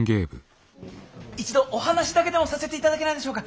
一度お話だけでもさせていただけないでしょうか？